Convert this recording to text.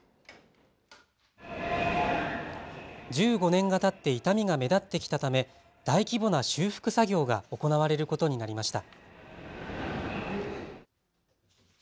１５年がたって傷みが目立ってきたため大規模な修復作業が行われることになりました。